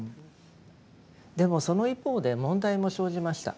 でもその一方で問題も生じました。